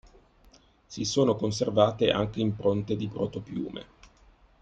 Si sono conservate anche impronte di "proto-piume".